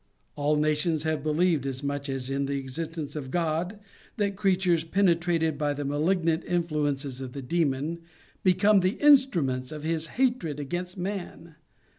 All nations have believed, as much as in the existence of God, that creatures pene trated by the malignant influences of the demon, become the instruments of his hatred against man.